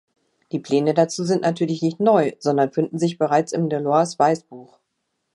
Die Pläne dazu sind natürlich nicht neu, sondern finden sich bereits im Delors-Weißbuch.